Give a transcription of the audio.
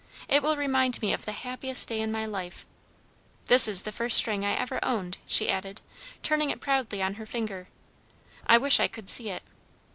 "It will remind me of the happiest day in my life. This is the first ring I ever owned," she added, turning it proudly on her finger. "I wish I could see it."